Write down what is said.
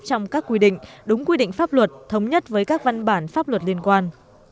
trong các quy định đúng quy định pháp luật thống nhất với các văn bản pháp luật liên quan